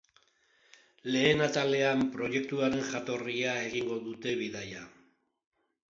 Lehen atalean, proiektuaren jatorrira egingo dute bidaia.